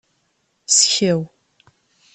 Skew.